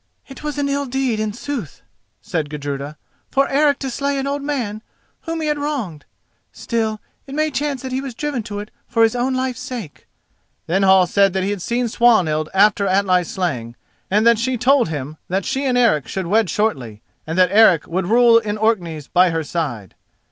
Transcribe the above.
"It was an ill deed in sooth," said Gudruda, "for Eric to slay an old man whom he had wronged. Still, it may chance that he was driven to it for his own life's sake." Then Hall said that he had seen Swanhild after Atli's slaying, and that she had told him that she and Eric should wed shortly, and that Eric would rule in Orkneys by her side.